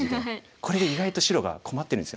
これ意外と白が困ってるんですよね。